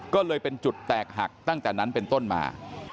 ก็เลยเป็นจุดแตกหักตั้งแต่นั้นเป็นต้นมา